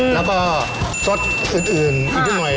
แล้วก็สดอื่นอีกหน่อย